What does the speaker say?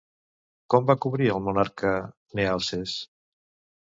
Com va cobrir al monarca Nealces?